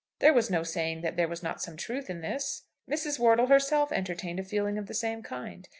There was no saying that there was not some truth in this? Mrs. Wortle herself entertained a feeling of the same kind.